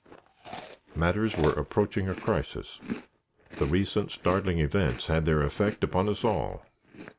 Matters were approaching a crisis. The recent startling events had their effect upon us all.